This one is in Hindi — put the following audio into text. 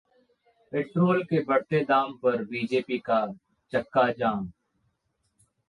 पेट्रोल के बढ़ते दाम पर बीजेपी का चक्काजाम